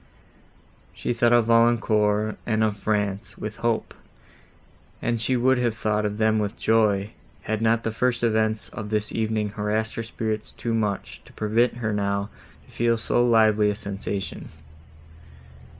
She thought of Valancourt and of France, with hope, and she would have thought of them with joy, had not the first events of this evening harassed her spirits too much, to permit her now to feel so lively a sensation.